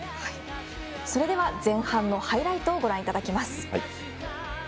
前半のハイライトをご覧いただきます。